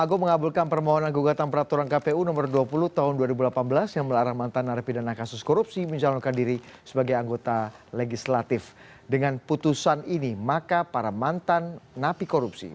undang makamah konstitusi